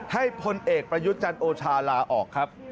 ให้พลเอกประยุจรรย์โอชาลาออกครับ